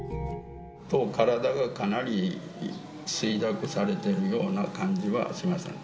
体がかなり衰弱されてるような感じはしましたね。